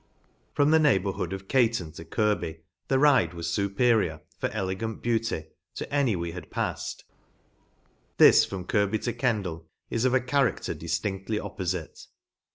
From the neigh bourhood of Caton to Kirby the ride was fuperior, for elegant beauty, to any we had pafied ; 204 ENGLAND. pafled ; this from Kirby to Kendal is of a character diftin&ly oppofite.